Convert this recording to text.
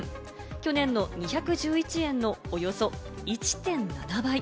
去年の２１１円のおよそ１．７倍。